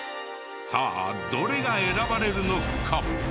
さあどれが選ばれるのか？